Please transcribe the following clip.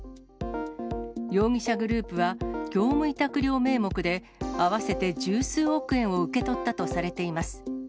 容疑者グループは業務委託料名目で、合わせて十数億円を受け取ったとされています。